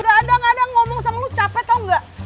gak ada gak ada ngomong sama lu capek tau gak